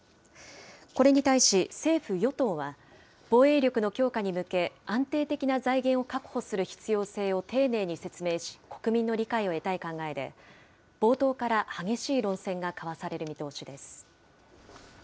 これに対し、政府・与党は、防衛力の強化に向け、安定的な財源を確保する必要性を丁寧に説明し、国民の理解を得たい考えで、冒頭から激しい論戦が交わされる見通しです。